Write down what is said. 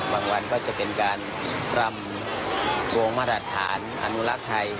วันก็จะเป็นการรำวงมาตรฐานอนุรักษ์ไทย